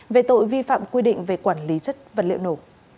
về tội vi phạm quy định về quản lý chất vật liệu nổ